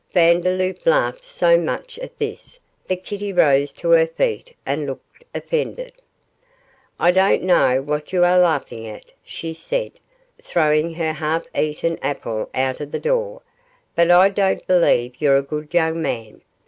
Vandeloup laughed so much at this that Kitty rose to her feet and looked offended. 'I don't know what you are laughing at,' she said, throwing her half eaten apple out of the door; 'but I don't believe you're a good young man.